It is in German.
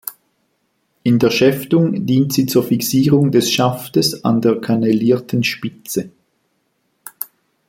In der Schäftung dient sie zur Fixierung des Schaftes an der kannelierten Spitze.